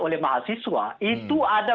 oleh mahasiswa itu ada